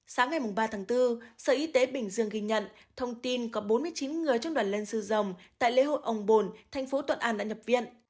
sáng ngày ba tháng bốn sở y tế bình dương ghi nhận thông tin có bốn mươi chín người trong đoàn lân sư dòng tại lễ hội ông bồn thành phố thuận an đã nhập viện